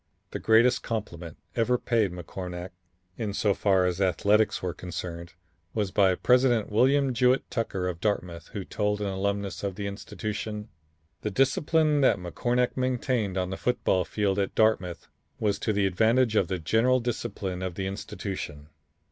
The greatest compliment ever paid McCornack, in so far as athletics were concerned, was by President William Jewett Tucker of Dartmouth, who told an alumnus of the institution: "The discipline that McCornack maintained on the football field at Dartmouth was to the advantage of the general discipline of the institution."